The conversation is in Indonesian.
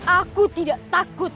aku tidak takut